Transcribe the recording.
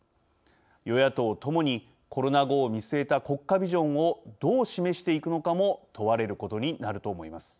与野党ともにコロナ後を見据えた国家ビジョンをどう示していくのかも問われることになると思います。